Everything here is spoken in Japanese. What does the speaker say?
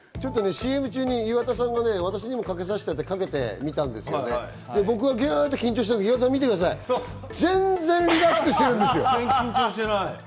ＣＭ中に岩田さんが私にもかけさしてってかけてみたんですけど、僕はぎゅっと緊張してるときに岩田さん全然リラックスしてるんですよ。